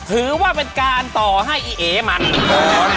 ถือว่าเป็นการต่อให้อีเอมัน